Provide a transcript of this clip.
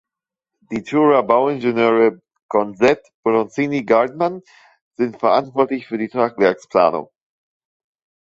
Die Churer Bauingenieure Conzett Bronzini Gartmann sind verantwortlich für die Tragwerksplanung.